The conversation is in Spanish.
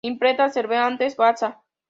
Imprenta Cervantes, Baza.